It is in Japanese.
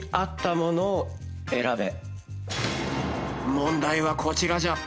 問題はこちらじゃ。